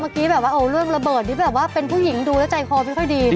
แบบว่าเรื่องระเบิดที่แบบว่าเป็นผู้หญิงดูแล้วใจคอไม่ค่อยดี